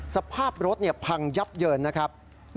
สภาพรถพังยับเยินนะครับ